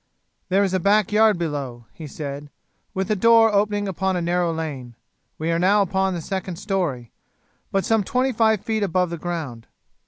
"There is a back yard below," he said, "with a door opening upon a narrow lane. We are now upon the second storey, and but some twenty five feet above the ground.